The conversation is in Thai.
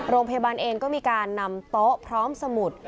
โรงพยาบาลเองก็มีการนำโต๊ะพร้อมสมุด